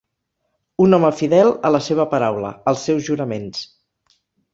Un home fidel a la seva paraula, als seus juraments.